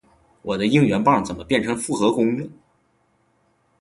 我的应援棒怎么变成复合弓了？